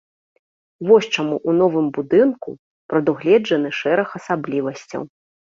Вось чаму ў новым будынку прадугледжаны шэраг асаблівасцяў.